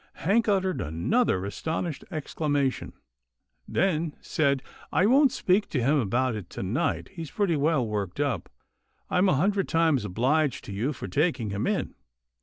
Hank uttered another astonished exclamation, then said, " I won't speak to him about it to night. He's pretty well worked up — I'm a hundred times obliged to you for taking him in.